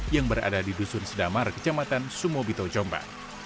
yang berada di dusun sedamar kecamatan sumobito jombang